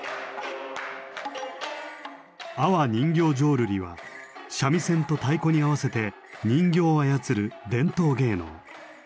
阿波人形浄瑠璃は三味線と太鼓に合わせて人形を操る伝統芸能。